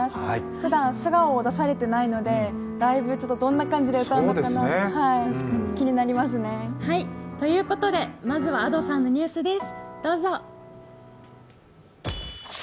ふだん素顔を出されていないのでライブ、ちょっとどんな感じで歌うのか気になりますね。ということで、まずはＡｄｏさんのニュースです。